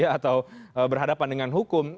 atau berhadapan dengan hukum